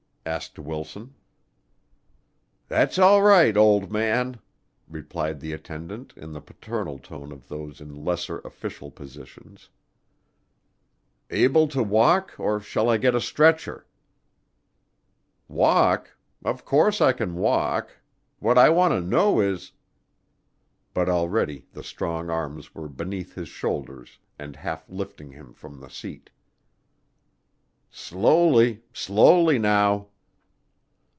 asked Wilson. "That's all right, old man," replied the attendant in the paternal tone of those in lesser official positions. "Able to walk, or shall I get a stretcher?" "Walk? Of course I can walk. What I want to know is " But already the strong arms were beneath his shoulders and half lifting him from the seat. "Slowly. Slowly now."